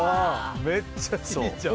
めっちゃいいじゃん。